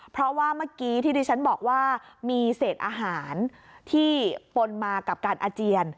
เพราะว่าเมื่อกี้ที่ดิฉันบอกว่ามีเศษอาหารที่ปนมากับการอาเจียน